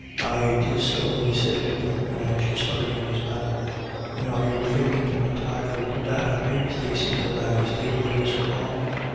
" Aye, 'tis so/* he said, with an anxious hurry in his manner. "And are you thinking intirely too bad of me, Stacey, that I sted away so long